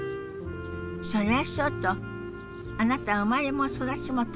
それはそうとあなた生まれも育ちも東京なのね。